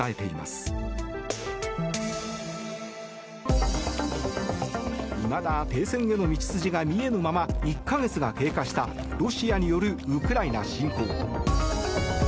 いまだ停戦への道筋が見えぬまま１か月が経過したロシアによるウクライナ侵攻。